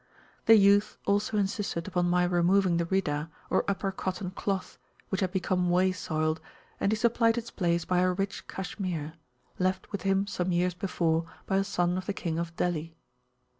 The youth also insisted upon my removing the Rida, or upper cotton cloth, which had become way soiled, and he supplied its place by a rich cashmere, left with him, some years before, by a son of the King of Delhi.